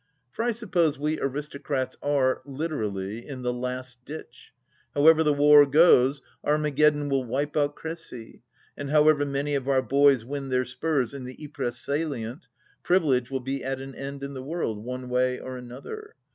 ... For I suppose we aristocrats are, literally, in the Last Ditch ! However the war goes, Armageddon will wipe out Cricy ; and however many of our boys win their spurs in the Ypres salient. Privilege will be at an end in the world, one way or another.